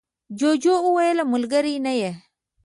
جوجو وویل ملگری نه یې.